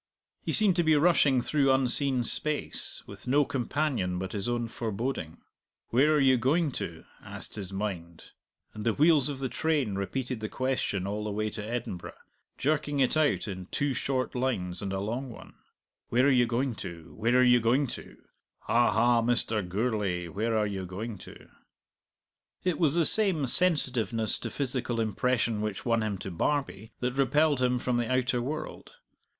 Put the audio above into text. He seemed to be rushing through unseen space, with no companion but his own foreboding. "Where are you going to?" asked his mind, and the wheels of the train repeated the question all the way to Edinburgh, jerking it out in two short lines and a long one: "Where are you going to? Where are you going to? Ha, ha, Mr. Gourlay, where are you going to?" It was the same sensitiveness to physical impression which won him to Barbie that repelled him from the outer world.